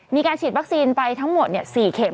มีการฉีดวัคซีนไปทั้งหมด๔เข็ม